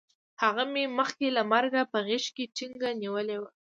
هغه مې مخکې له مرګه په غېږ کې ټینګ نیولی وی